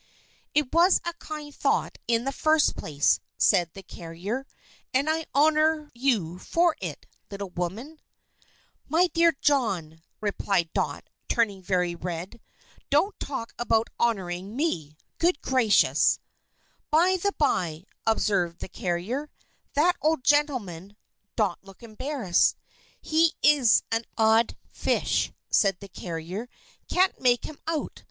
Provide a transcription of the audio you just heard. "It was a kind thought in the first place," said the carrier, "and I honor you for it, little woman." "My dear John," replied Dot, turning very red, "don't talk about honoring me. Good gracious!" "By the bye " observed the carrier, "that old gentleman " Dot looked embarrassed. "He's an odd fish," said the carrier. "I can't make him out.